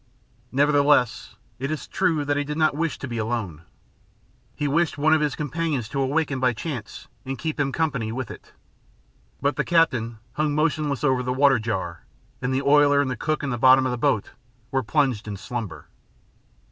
Nevertheless, it is true that he did not wish to be alone. He wished one of his companions to awaken by chance and keep him company with it. But the captain hung motionless over the water jar, and the oiler and the cook in the bottom of the boat were plunged in slumber.